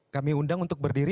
kami undang untuk berdiri